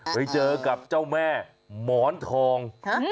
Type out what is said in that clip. ไปเจอกับเจ้าแม่หมอนทอง